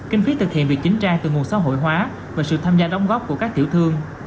kinh phí thực hiện việc chính trang từ nguồn xã hội hóa và sự tham gia đóng góp của các tiểu thương